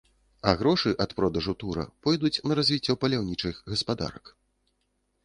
А грошы ад продажу тура пойдуць на развіццё паляўнічых гаспадарак.